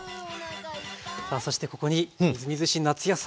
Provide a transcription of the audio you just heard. さあそしてここにみずみずしい夏野菜をご用意しました。